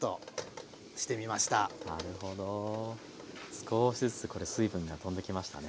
少しずつこれ水分がとんできましたね。